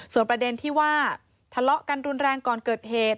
ส่วนประเด็นที่ว่าทะเลาะกันรุนแรงก่อนเกิดเหตุ